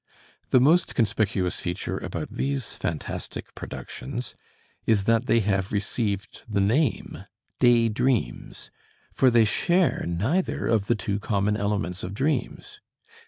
The most conspicuous feature about these phantastic productions is that they have received the name "day dreams," for they share neither of the two common elements of dreams.